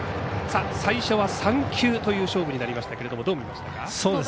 最初は３球という勝負になりましたがどう見ましたか？